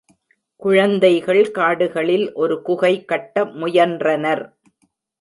குழந்தைகள் காடுகளில் ஒரு குகை கட்ட முயன்றனர்